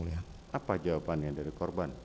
apa jawabannya dari korban